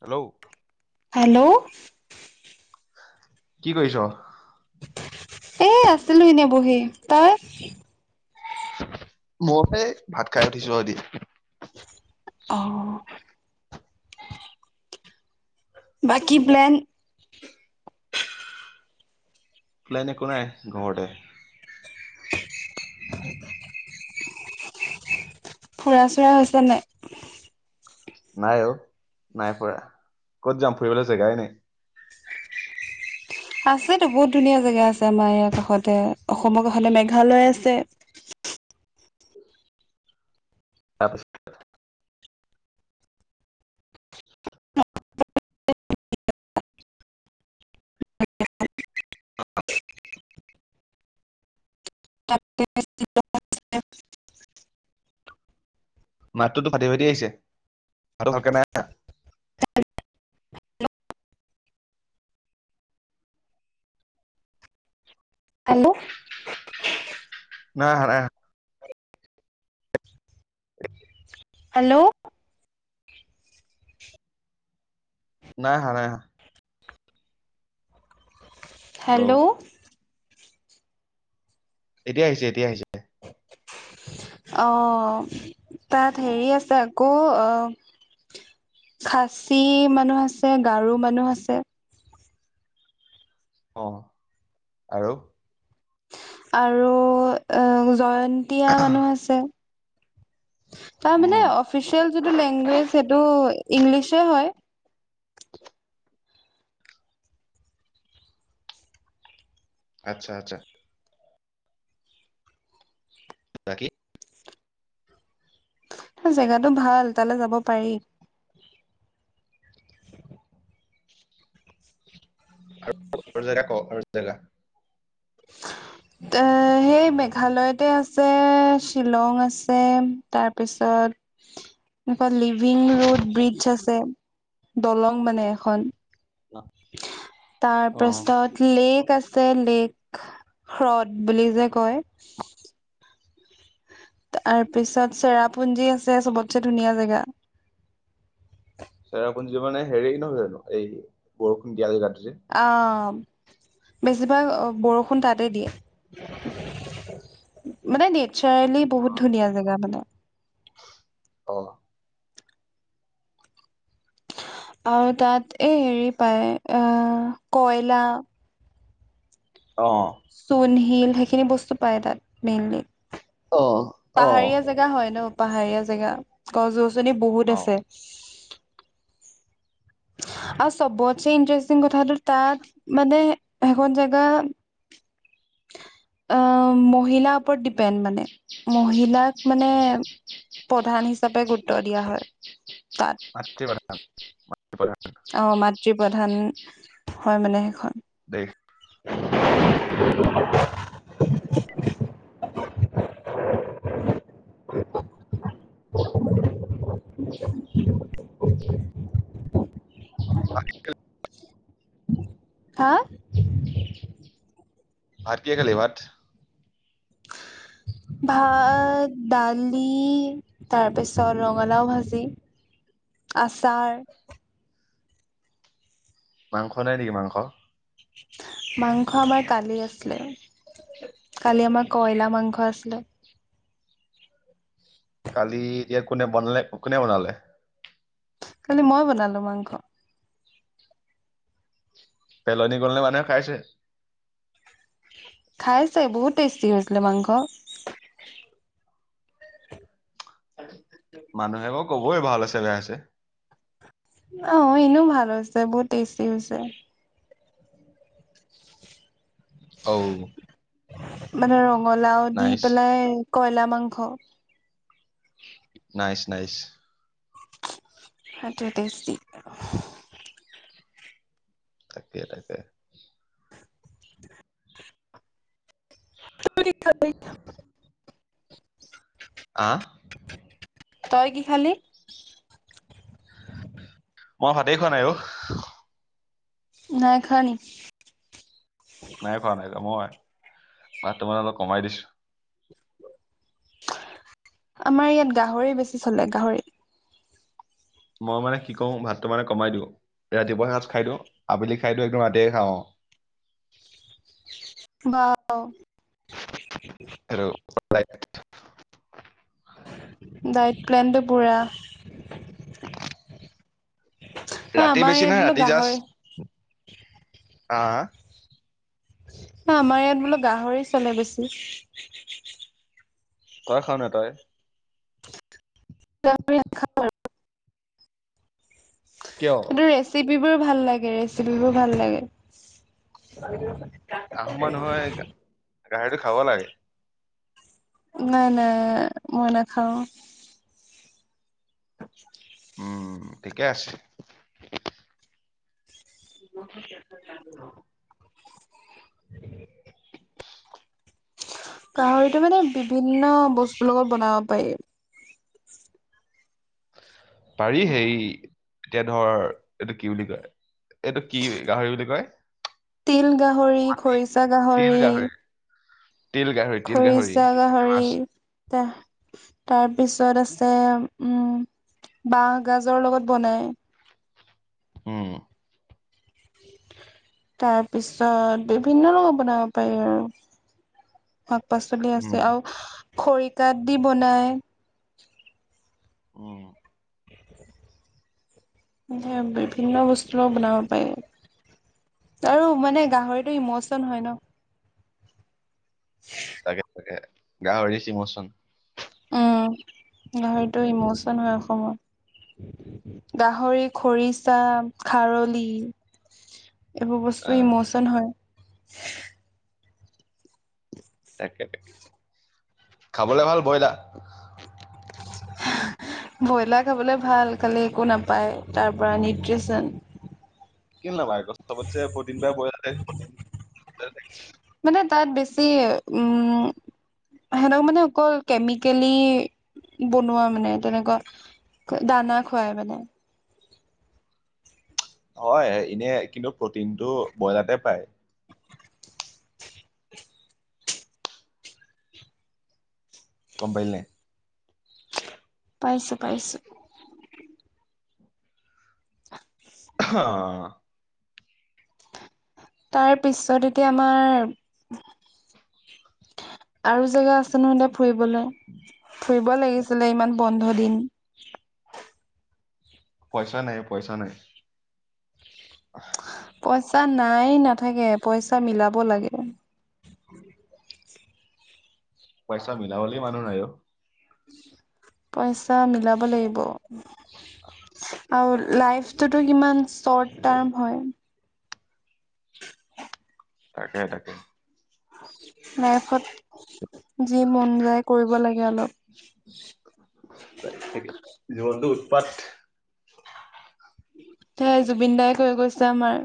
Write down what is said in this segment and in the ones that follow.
Hello. Hello. কি কৰিছ। এ আছিলো এনে বহি তই। মই এই ভাত খাই উঠিছো আ দি। অহ। বাকী প্লেন। প্লাইন একো নাই ঘৰতে। ফুৰা চুৰা হৈছে নে নাই। নাই অ নাই ফুৰা ক'ত যাম ফুৰিবলৈ জেগাই নাই। আছেতো বহুত ধুনীয়া জেগা আছে আমাৰ ইয়াৰ কাষতে অসমৰ কাষতে মেঘালয় আছে। তাৰপিছ। তাক কে [inaudible] মাতটো তো ফাটি ফটি আহিছে [inaudible] টো ভালকে নাই অহা। আইল। নাই আহা নাই আ। হেল্ল'। নাই আহা নাই আহা। হেল্ল'। এতিয়া আহিছে এতিয়া আহিছে। অ তাত হেৰি আছে। কৌ অ খাচী মানুহ আছে গাৰো মানুহ আছে। অ আৰু। আৰু এ জয়ন্তীয়া মানুহ আছে। তাৰ মানে উম অফিচিয়েল যিটো লেংগুৱেজ সেইটো ইংলিছে হয়। আচ্ছা আচ্ছা। বাকী। জেগাটো ভাল তালৈ যাব পাৰি। আৰু জেগা ক আৰু জেগা। এ সেই মেঘালয়তে আছে শ্বিলং আছে তাৰপিছত। তাপা লিভিং ৰোট ব্ৰিজ আছে দলং মানে এখন। অ। তাৰপাছত। লেক আছে লেক হ্ৰদ বুলি যে কয়। তাৰপিছত চেৰাপুঞ্জী আছে চবতছে ধুনীয়া জেগা চেৰাপুঞ্জী মানে হেৰি নহয় জানো এই বৰষুণ দিয়া জেগাটো যে অ বেছিভাগ বৰষুণ তাতে দিয়ে মানে নেটচাৰেলি বহুত ধুনীয়া জেগা মানে অ আৰু তাত এই হেৰি পায় আহ কয়লা অ চূন শিল সেইখিনি বস্তু পায় তাত মেইনলি। অ'। অ পাহাৰীয়া জেগা হয় ন পাহাৰীয়া জেগা গছ গছনি বহুত অ আছে। আৰু চবতছে ইণ্টাৰেষ্টিং কথাটো তাত মানে সেইখন জেগা মহিলাৰ ওপৰত ডিপেণ্ড মানে মহিলাক মানে প্ৰধান হিচাপে গুৰুত্ব দিয়া হয় তাত। মাতৃ প্ৰধান। প্ৰধান অ', মাতৃ প্ৰধান হয় মানে সেইখন। দেশ। [inaudible] [inaudible] [inaudible] [inaudible] হা ভাত কিহে খালি ভাত ভাত দালি তাৰপিছত ৰঙালাও ভাজি আচাৰ মাংস নাই নেকি মাংস মাংস আমাৰ কালিৰ আছিলে। কালি আমাৰ কইলা মাংস আছিলে। কালি এতিয়া কোনে বনালে কোনে বনালে? কালি মই বনালো মাংস। পেলনি গ'ল নে মানুহে খাইছে? খাইছে বহুত টেষ্টি হৈছিলে মাংস। [inaudible] মানুহে বাৰু ক'বই ভাল হৈছে বেয়া হৈছে। আহ এনেও ভাল হৈছে বহুত টেষ্টি হৈছে। অঔ। মানে ৰঙালাও দি নাইচ পেলাই কয়লা মাংস। Nice nice. সেটোৱে টেষ্টি। তাকে তাকে। [inaudible] আহ। তই কি খালি? মই ভাতেই খোৱা নাই অ'। নাই খোৱা নেকি? নাই খোৱা নাই খোৱা মই ভাতটো মানে অলপ কমাই দিছো। আমাৰ ইয়াত গাহৰি বেছি চলে গাহৰি। মই মানে কি কৰো ভাতটো মানে কমাই দিওঁ ৰাতিপুৱা সাাজ খাই দিওঁ আবেলি খাই দিওঁ একদম ৰাতিয়ে খাওঁ। [inaudible] হেল্ল। [inaudible] ডাইট প্লেনটো পূৰা। ৰাতি বেছি নহয় ৰাতি গাহৰি জাষ্ট আ। অ আমাৰ ইয়াত বোলো গাহৰি চলে বেছি। তই খাৱ নে তই। [unintelligible] কিয়? কিন্তু ৰেচিপিবোৰ ভাল লাগে ৰেচিপিবোৰ ভাল লাগে। আহোম মানুহ হৈ গাহৰিটো খাব লাগে। নাই নাই মই নাখাওঁ। [inaudible] উম ঠিকে আছ। [unintelligible] [unintelligible] গাহৰিতটো মানে বিভিন্ন বস্তুৰ লগত বনাব পাৰি। পাৰি সেই এতিয়া ধৰ এইটো কি বুলি কয় এইটো কি গাহৰি বুলি কয়। তিল গাহৰি মাটি খৰিচা গাহৰি। তিল গাহৰি তিল গাহৰি খৰিচা গাহৰি। মাছ তেহ তাৰপিছত আছে উম। বাহ গাজৰ লগত বনাই। উম। তাৰ পিছত বিভিন্ন ৰঙত বনাব পাৰি আৰু। শাক পাচলি আছে উম আৰু খৰিকাত দি বনাই। উম। [inaudible] বিভিন্ন বস্তু লগত বনাব পাৰি। আৰু মানে গাহৰিতটো ইমচন হয় ন'। [inaudible] তাকে তাকে গাহৰি চ ইমচন। উম গাহৰিতটো ইমচন হয় অসমত। গাহৰি খৰিচা খাৰলি। এইবোৰ বস্তু আহ ইমচন হয়। তাকে তাকে খাবলে ভাল বইলা। [unintelligible] ব্ৰইলাৰ খাবলৈ ভাল খালি একো নাপায় তাৰপৰা নিউট্ৰিচন। কে নাপাইক সবৎসে প্ৰটিন পায় বইলাতে। [inaudible] মানে তাত বেছি উম। সেহঁতক মানে অকল কেমিকেলি বনোৱা মানে তেনেকুৱা। [inaudible] দানা খুৱাই মানে। হয় এনে কিন্তু প্ৰটিন টো ব্ৰইলাতে পায়। কম পালি নাই পাইছোঁ পাইছোঁ। [inaudible] অ। তাৰ পিছত এতিয়া আমাৰ আৰু জেগা আ। চোনোহতে ফুৰিবলৈ ফুৰিব লাগিছিলে ইমান বন্ধ দিন। পইচা নাই অহ পইচা নাই। [unintelligible] পইচা নাই নাথাকে পইচা মিলাব লাগে। পইচা মিলাবলে মানুহ নাই অহ। পইচা মিলাব লাগিব। আৰু লাইফটোতো কিমান চৰ্ট টাৰ্ম হয়। তাকে তাকে। লাইফত যি মন যায় কৰিব লাগে অলপ। [unintelligible] জীৱনটো উৎপাত। সেই জুবিন দাই কৈ গৈছে আমাৰ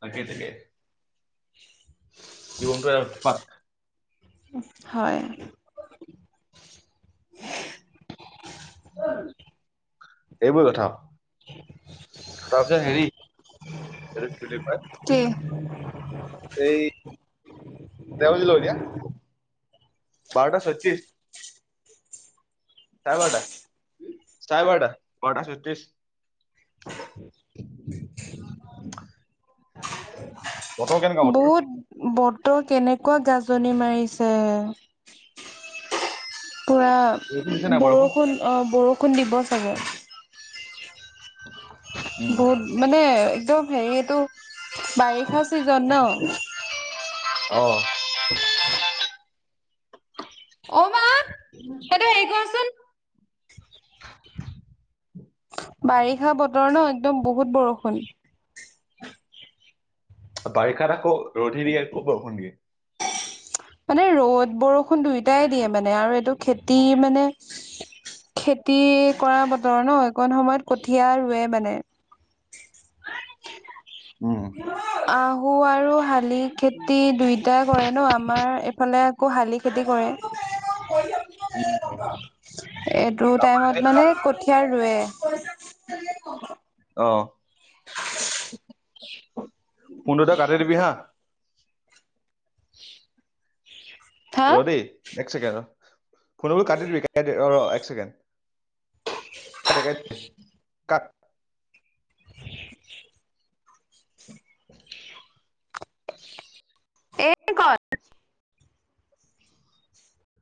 তাকেই তাকেই। জীৱনটো আৰু উৎপাত। উহ হয়। এইবোৰ কথা। তাৰপিছত হেৰি এইটো কি বুলি কৈ কি? এই পেবালি লওঁ এতিয়া। বাৰতাশত্ৰিছ। চাৰেবাৰতা, চাৰেবাৰতা, বাৰতাশত্ৰিছ। [inaudible] [inaudible] বতৰ বহুত বতৰ কেনেকুৱা গাজনি মাৰিছে। [inaudible] পুৰা বৰষুণ দিছে নাই বৰষুণ অ বৰষুণ দিব চাগে। উম বহুত মানে একদম হেৰি টো বাৰিষা ছিজন ন? অহ। অ মা সেইটো হেৰি কৰচোন। বাৰিষা বতৰ ন একদম বহুত বৰষুণ। বাৰিষাত আকৌ ৰ'দ হে দিয়ে ক'ত বৰষুণ দিয়ে। মানে ৰ'দ বৰষুণ দুয়োটাই দিয়ে মানে আৰু এইটো খেতি মানে খেতি কৰা বতৰ ন একণ সময়ত কঠীয়া ৰুৱে মানে। উম আহু আৰু শালি খে- খেতি দুইটা কৰে ন আমাৰ এইফালে আকৌ শালি খেতি কৰে। এইটো তাৰপৰা টাইমত মানে কঠিয়া ৰুৱে। অ। [inaudible] ফোনটো তই কাটি দিবি হা। হা ৰ দেই এক ছেকেণ্ড ৰ ফোনবোৰ কাটি দিবি ৰ ৰ এক চছেকেণ্ড। কাট। [inaudible] [inaudible] এনদ কৰ।